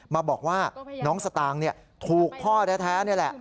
มาบอกว่าน้องสตางค์ถูกพ่อแท้นี่แหละ